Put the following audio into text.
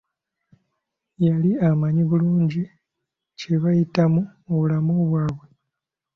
Yali amanyi bulungi kye bayitamu mubulamu bwabwe.